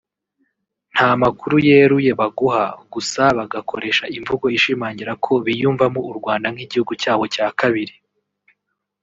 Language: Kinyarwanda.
nta makuru yeruye baguha gusa bagakoresha imvugo ishimangira ko biyumvamo u Rwanda nk’igihugu cyabo cya kabiri